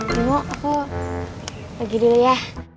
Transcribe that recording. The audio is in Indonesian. dulu aku pergi dulu ya